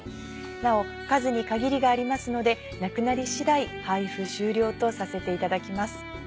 なお数に限りがありますのでなくなり次第配布終了とさせていただきます。